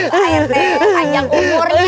pak rt panjang umurnya